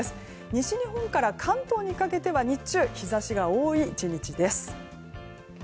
西日本から関東にかけては日中、日差しが多い１日です。